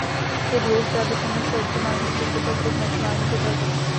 Je důležité, abychom našli optimální způsob, jak označování zobrazovat.